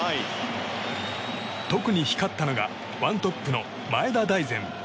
特に光ったのが１トップの前田大然。